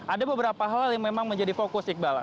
ada beberapa hal yang memang menjadi fokus iqbal